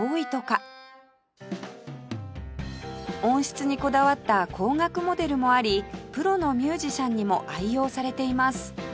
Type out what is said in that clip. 音質にこだわった高額モデルもありプロのミュージシャンにも愛用されています